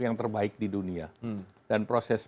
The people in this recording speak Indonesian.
yang terbaik di dunia dan proses